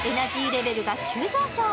レベルが急上昇。